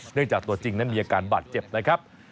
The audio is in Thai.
จากตัวจริงนั้นมีอาการบาดเจ็บนะครับ